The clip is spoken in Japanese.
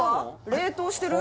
冷凍してる？